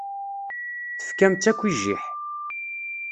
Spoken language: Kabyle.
Tefkam-tt akk i jjiḥ.